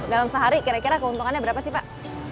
dalam sehari kira kira keuntungannya berapa sih pak